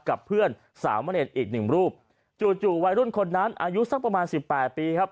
กับเพื่อนสามเมินเอนอีก๑รูปจู่วัยรุ่นคนนั้นอายุสักประมาณ๑๘ปีครับ